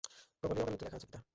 কপালেই অকালমৃত্যু লেখা আছে, পিতা।